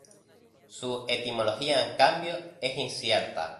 Su etimología, en cambio, es incierta.